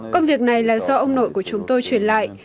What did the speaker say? công việc này là do ông nội của chúng tôi truyền lại